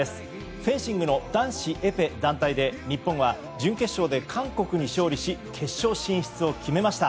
フェンシングの男子エペ団体で日本は準決勝で韓国に勝利し決勝進出を決めました。